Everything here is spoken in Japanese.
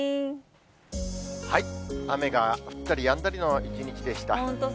雨が降ったりやんだりの一日でした。